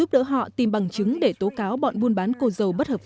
giúp đỡ họ tìm bằng chứng để tố cáo bọn buôn bán cô dâu bất hợp pháp